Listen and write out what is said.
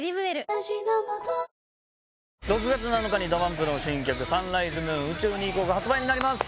６月７日にＤＡＰＵＭＰの新曲「サンライズ・ムーン宇宙に行こう」が発売になります